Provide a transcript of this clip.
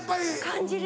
感じる。